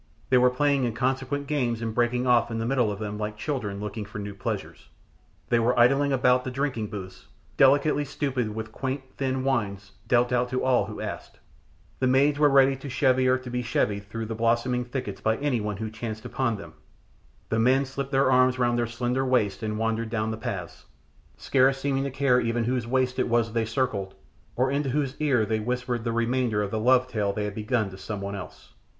They were playing inconsequent games and breaking off in the middle of them like children looking for new pleasures. They were idling about the drinking booths, delicately stupid with quaint, thin wines, dealt out to all who asked; the maids were ready to chevy or be chevied through the blossoming thickets by anyone who chanced upon them, the men slipped their arms round slender waists and wandered down the paths, scarce seeming to care even whose waist it was they circled or into whose ear they whispered the remainder of the love tale they had begun to some one else.